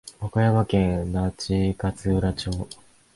和歌山県那智勝浦町